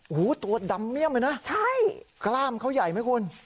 โหตัวดำเมียมเลยน่ะใช่กล้ามเขามายไหมคุณ